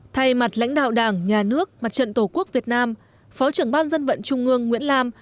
thay mặt lãnh đạo đảng nhà nước mặt trận tổ quốc việt nam phó trưởng ban dân vận trung ương nguyễn lam